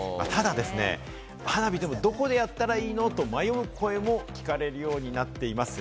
ただ、花火、どこでやったらいいの？と迷う声も聞かれるようになっています。